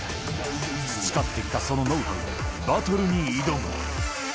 培ってきたそのノウハウで、バトルに挑む。